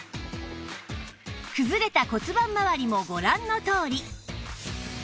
崩れた骨盤まわりもご覧のとおり